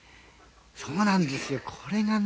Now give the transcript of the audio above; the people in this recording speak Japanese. そうなんですよ、これがね